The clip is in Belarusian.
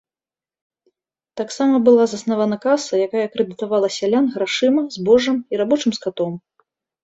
Таксама была заснавана каса, якая крэдытавала сялян грашыма, збожжам і рабочым скатом.